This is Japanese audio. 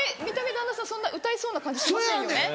見た目旦那さんそんな歌いそうな感じしませんよね。